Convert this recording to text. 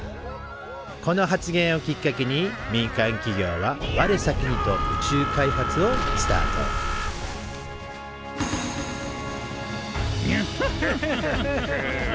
この発言をきっかけに民間企業は我先にと宇宙開発をスタートフッフッフッフッ！